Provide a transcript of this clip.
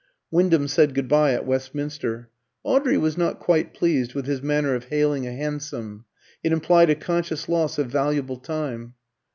Wyndham said good bye at Westminster. Audrey was not quite pleased with his manner of hailing a hansom; it implied a conscious loss of valuable time.